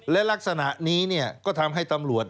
และลักษณะนี้ก็ทำให้ตำรวจ